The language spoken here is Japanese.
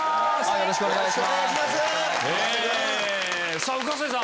よろしくお願いします。